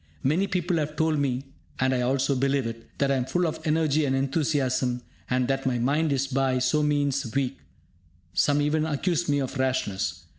Many people have told me (and I also believe it) that I am full of energy and enthusiasm, and that my mind is by so means weak; some even accuse me of rashness.